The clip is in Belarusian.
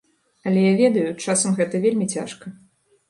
Але я ведаю, часам гэта вельмі цяжка.